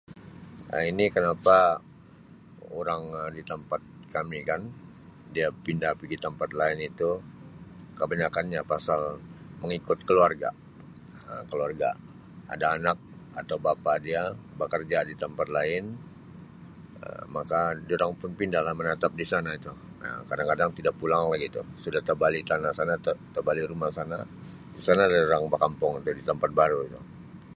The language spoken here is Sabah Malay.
Um Ini kenapa urang di tampat kami kan dia pindah pigi tampat lain itu kebanyakan nya pasal mengikut keluarga Um keluarga ada anak atau bapa dia bekerja di tampat lain Um maka dorang pun pindah lah menatap di sana itu Um kadang-kadang tidak pulang lagi itu suda tebali tanah sana tabali rumah sana di sanalah dorang bekampung di tampat baru itu.